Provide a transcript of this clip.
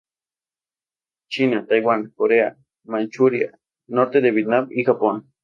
China, Taiwán, Corea, Manchuria, norte de Vietnam y Japón.